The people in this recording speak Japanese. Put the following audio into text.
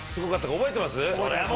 覚えてます。